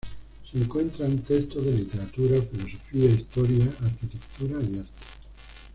Se encuentran textos de literatura, filosofía, historia, arquitectura y arte.